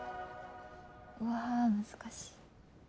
うわ難しい。